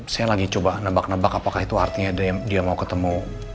saya lagi coba nebak nebak apakah itu artinya dia mau ketemu